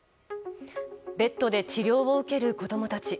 ベッドで治療を受ける子供たち。